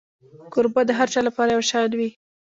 کوربه د هر چا لپاره یو شان وي.